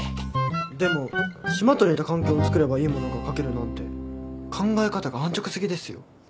でも島と似た環境をつくればいいものが書けるなんて考え方が安直すぎですよ。